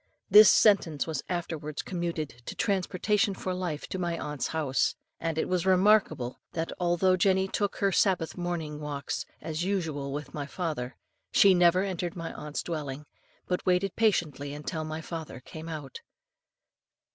This sentence was afterwards commuted to transportation for life from my aunt's house; and it was remarkable, that although Jenny took her Sabbath morning walks as usual with my father, she never entered my aunt's dwelling, but waited patiently until my father came out."